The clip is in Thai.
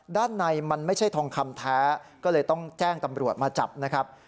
ด้านในมันไม่ใช่ทองคำแท้ก็เลยต้องแจ้งตำรวจมาจับนะครับ